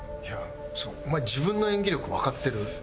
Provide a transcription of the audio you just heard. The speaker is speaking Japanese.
いやお前自分の演技力わかってる？